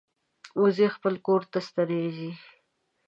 وزې خپل کور ته ستنېږي